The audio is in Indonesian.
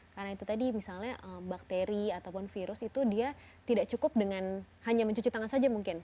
karena itu tadi misalnya bakteri ataupun virus itu dia tidak cukup dengan hanya mencuci tangan saja mungkin